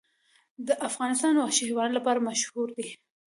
افغانستان د وحشي حیواناتو لپاره مشهور دی.